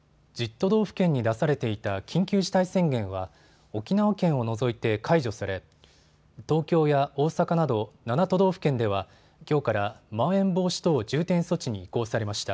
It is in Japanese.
都道府県に出されていた緊急事態宣言は沖縄県を除いて解除され東京や大阪など７都道府県ではきょうからまん延防止等重点措置に移行されました。